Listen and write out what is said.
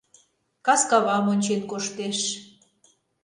Кас кавам ончен коштеш.